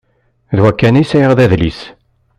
D wa kan i sεiɣ d adlis.